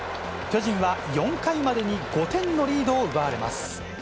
巨人は４回までに５点のリードを奪われます。